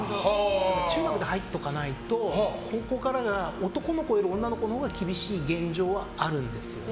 中学で入っておかないと高校からが男の子より女の子のほうが厳しい現状はあるんですよね。